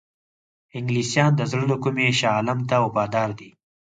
انګلیسیان د زړه له کومي شاه عالم ته وفادار دي.